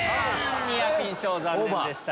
ニアピン賞残念でした。